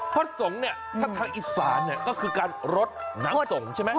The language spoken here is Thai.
พฤทธ์สงฆ์ทางอีสานก็คือการรดน้ำสงฆ์ใช่ไหม